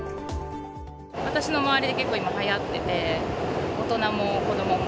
私の周りで結構、今はやってて大人も子供も。